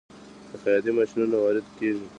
د خیاطۍ ماشینونه وارد کیږي؟